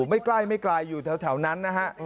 ไม่ใกล้ไม่ไกลอยู่แถวนั้นนะฮะ